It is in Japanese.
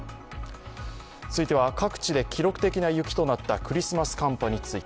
続いては、各地で記録的な雪となったクリスマス寒波について。